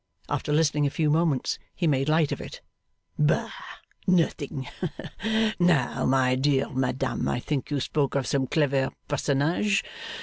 After listening a few moments, he made light of it. 'Bah! Nothing! Now, my dear madam, I think you spoke of some clever personage.